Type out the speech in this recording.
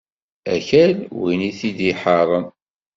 Akal win i t-id-iḥeṛṛen.